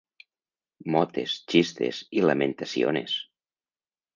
«motes», «chistes» i «lamentaciones».